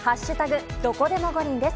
どこでも五輪」です。